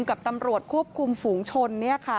กับตำรวจควบคุมฝูงชน